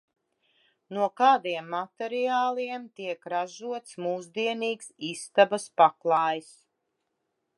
No kādiem materiāliem tiek ražots mūsdienīgs istabas paklājs?